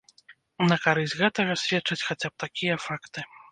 На карысць гэтага сведчаць хаця б такія факты.